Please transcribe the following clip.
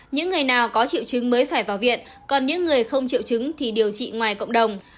những người nào có triệu chứng mới phải vào viện còn những người không triệu chứng thì điều trị ngoài cộng đồng